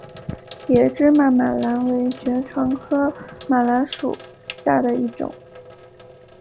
野芝麻马蓝为爵床科马蓝属下的一个种。